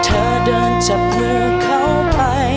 เธอเดินจับมือเขาไป